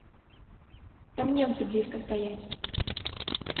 Там немцы блізка стаяць.